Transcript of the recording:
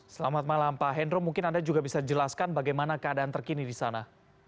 selamat malam pak hendro mungkin anda juga bisa jelaskan bagaimana keadaan terkini di sana